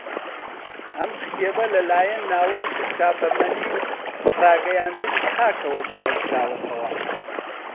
ئەم کتێبە لەلایەن ناوەندی چاپەمەنی و ڕاگەیاندنی خاکەوە بڵاو کراوەتەوە